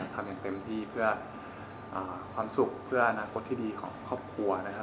ทำอย่างเต็มที่เพื่อความสุขเพื่ออนาคตที่ดีของครอบครัวนะครับ